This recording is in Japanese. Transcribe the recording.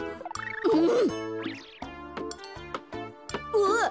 うわっ！